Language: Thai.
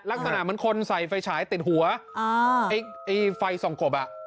ลักษณะเหมือนคนใส่ไฟฉายติดหัวอ่าไอ้ไฟส่องกบอ่ะ